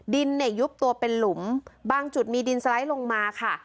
ดินเนี่ยยุบตัวเป็นหลุมบางจุดมีดินสไลด์ลงมาค่ะ